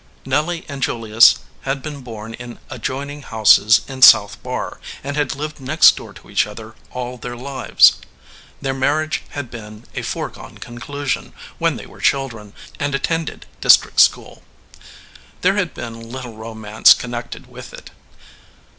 Nelly and Julius had been born in adjoining houses in South Barr, and had lived next door to each other all their lives. Their marriage had been a foregone conclu sion when they were children and attended district school. There had been little romance connected with it.